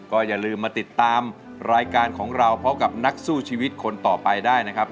ก็อย่าลืมมาติดตามรายการของเราพบกับนักสู้ชีวิตคนต่อไปได้นะครับ